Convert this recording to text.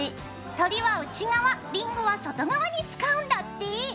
鳥は内側りんごは外側に使うんだって。